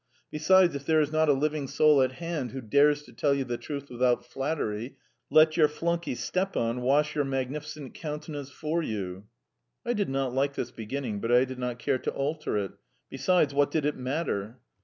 Besides, if there is not a living soul at hand who dares to tell you the truth without flattery, let your flunkey Stepan wash your magnificent countenance for you." I did not like this beginning, but I did not care to alter it. Besides, what did it matter?